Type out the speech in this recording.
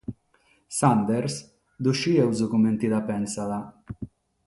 Sanders dd'ischimus comente dda pensat.